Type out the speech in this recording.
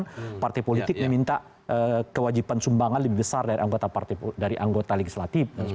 kemudian partai politik meminta kewajiban sumbangan lebih besar dari anggota legislatif